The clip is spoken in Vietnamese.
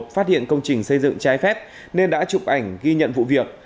phát hiện công trình xây dựng trái phép nên đã chụp ảnh ghi nhận vụ việc